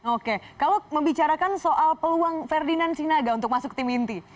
oke kalau membicarakan soal peluang ferdinand sinaga untuk masuk tim inti